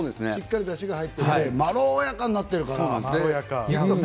だしが入っていて、まろやかになってるから。